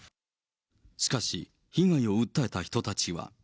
しかし、被害を訴えた人たちは。